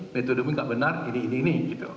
metodemu tidak benar ini ini ini